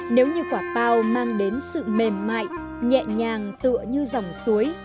nếu như quả pao mang đến sự mềm mại nhẹ nhàng tựa như dòng suối